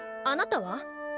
あなたは？